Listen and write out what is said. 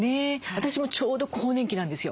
私もちょうど更年期なんですよ。